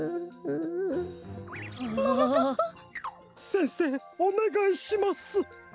せんせいおねがいします。